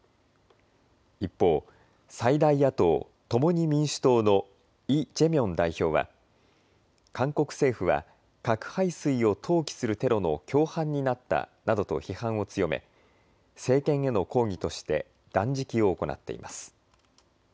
一方、最大野党、共に民主党のイ・ジェミョン代表は韓国政府は核廃水を投棄するテロの共犯になったなどと批判を強め政権への抗議として断食を行っています。